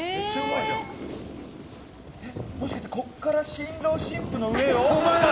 もしかして、ここから新郎新婦の上を？